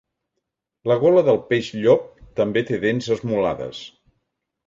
La gola del peix llop també té dents esmolades.